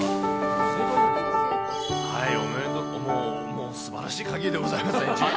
もう、すばらしいかぎりでございますね。